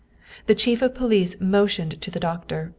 The chief of police motioned to the doctor.